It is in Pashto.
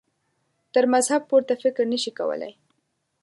تر مذهب پورته فکر نه شي کولای.